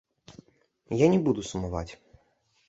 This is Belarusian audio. Я не буду сумаваць.